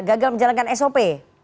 gagal menjalankan sop